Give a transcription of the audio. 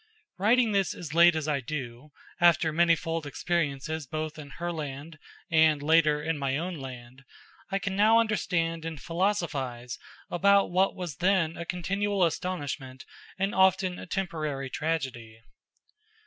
Writing this as late as I do, after manifold experiences both in Herland and, later, in my own land, I can now understand and philosophize about what was then a continual astonishment and often a temporary tragedy.